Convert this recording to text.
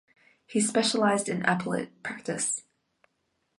He specialized in appellate practice.